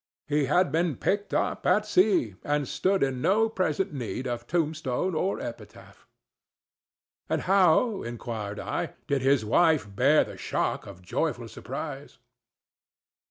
He had been picked up at sea, and stood in no present need of tombstone or epitaph. "And how," inquired I, "did his wife bear the shock of joyful surprise?"